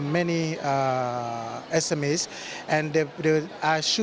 dan saya memilih dua sebenarnya